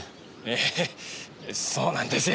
ええそうなんですよ。